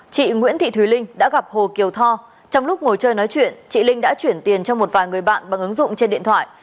chị nguyễn thị thùy linh đã gặp hồ kiều tho trong lúc ngồi chơi nói chuyện chị linh đã chuyển tiền cho một vài người bạn bằng ứng dụng trên điện thoại